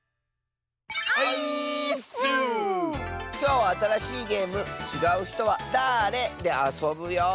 きょうはあたらしいゲーム「ちがうひとはだれ？」であそぶよ。